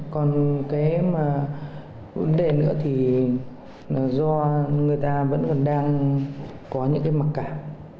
còn cái mà vấn đề nữa thì do người ta vẫn còn đang có những cái mặc cảm